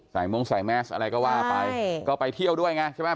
มงใส่แมสอะไรก็ว่าไปก็ไปเที่ยวด้วยไงใช่ไหม